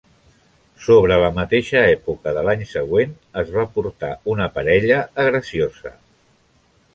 Sobre la mateixa època de l'any següent, es va portar una parella a Graciosa.